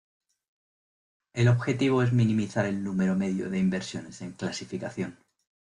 El objetivo es minimizar el número medio de inversiones en clasificación.